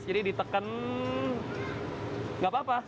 jadi diteken nggak apa apa